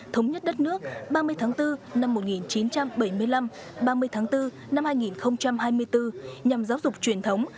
thống nhất đất nước ba mươi tháng bốn năm một nghìn chín trăm bảy mươi năm ba mươi tháng bốn năm hai nghìn hai mươi bốn nhằm giáo dục truyền thống